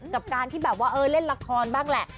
กับการที่แบบว่าเล่นละครบ้างแหละ